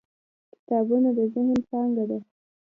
• کتابونه د ذهن پانګه ده.